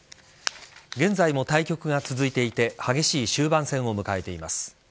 現在も対局が続いていて激しい終盤戦を迎えています。